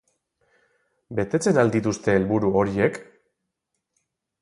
Betetzen al dituzte helburu horiek?